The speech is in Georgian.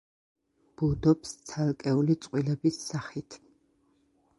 ბუდობს ცალკეული წყვილების სახით.